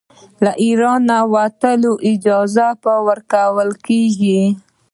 له اېرانه وتلو اجازه به ورکوله کیږي.